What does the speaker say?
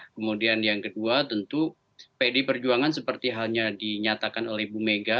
kemudian yang kedua tentu pdi perjuangan seperti hanya dinyatakan oleh bumega